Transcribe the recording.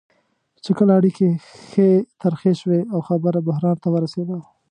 چې کله اړیکې ښې ترخې شوې او خبره بحران ته ورسېده.